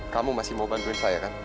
kamu masih mau bantuin saya kan